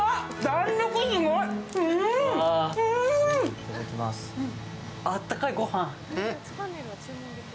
いただきます、あったかい、ごはん。